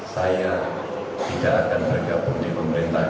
saya tidak akan bergabung di pemerintah